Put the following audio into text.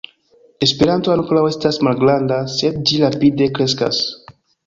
Esperanto ankoraŭ estas malgranda, sed ĝi rapide kreskas.